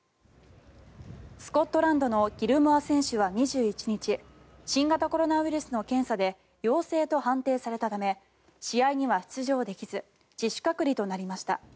スコットランドのギルモア選手は２１日新型コロナウイルスの検査で陽性と判定されたため試合には出場できず自主隔離となりました。